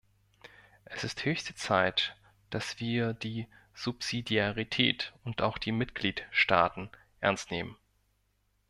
Es ist höchste Zeit, dass wir die Subsidiarität und auch die Mitgliedstaaten ernst nehmen.